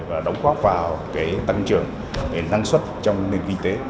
và đóng góp vào tăng trưởng năng suất trong nền kinh tế